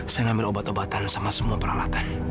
saya ngambil obat obatan sama semua peralatan